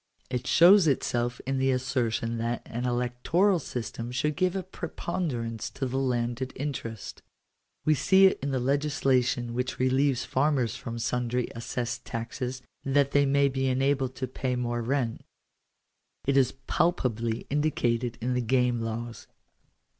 It shows itself in the assertion that an electoral system should give a preponderance to the landed interest We see it in the legislation which relieves farmers from sundry assessed taxes, that they may be enabled to pay more rent. It is palpably indicated in the Game Laws.